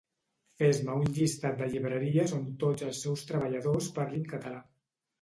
Fes-me un llistat de llibreries on tots els seus treballadors parlin català